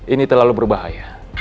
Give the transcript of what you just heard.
ini terlalu berbahaya